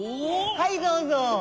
はいどうぞ。